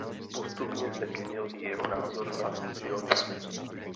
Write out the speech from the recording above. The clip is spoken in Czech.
Postupně se měnil i jeho názor na sionismus.